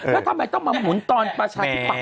และทำไมต้องมาหมุนตอนประชาไทยปักพริก